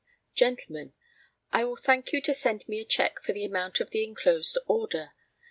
"Gentlemen, I will thank you to send me a cheque for the amount of the enclosed order.